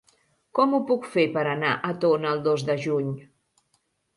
Com ho puc fer per anar a Tona el dos de juny?